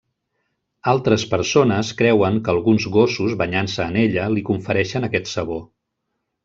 Altres persones creuen que alguns gossos banyant-se en ella li confereixen aquest sabor.